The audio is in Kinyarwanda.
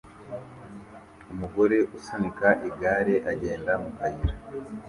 Umugore usunika igare agenda mu kayira